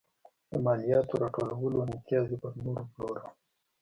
د مالیاتو راټولولو امتیاز یې پر نورو پلوره.